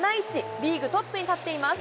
リーグトップに立っています。